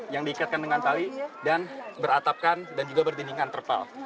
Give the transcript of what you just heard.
yang diikatkan dengan tali dan beratapkan dan juga berdindingan terpal